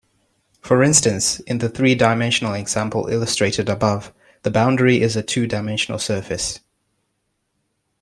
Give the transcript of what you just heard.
For instance, in the three-dimensional example illustrated above, the boundary is a two-dimensional surface.